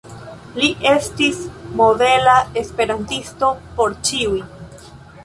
Li estis modela esperantisto por ĉiuj.